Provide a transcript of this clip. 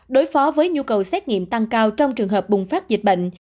đối phó với nhu cầu xét nghiệm tăng cao trong trường hợp bùng phát dịch bệnh